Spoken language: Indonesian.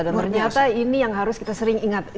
dan ternyata ini yang harus kita sering ingat